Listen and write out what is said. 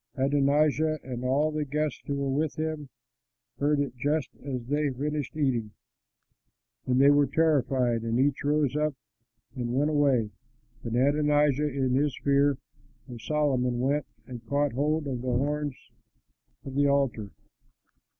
Adonijah and all the guests who were with him heard it just as they had finished eating. And they were terrified and each rose up and went away. But Adonijah in his fear of Solomon went and caught hold of the horns of the altar.